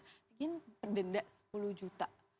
mungkin perdenda sepuluh juta